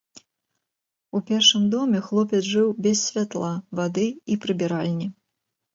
У першым доме хлопец жыў без святла, вады і прыбіральні.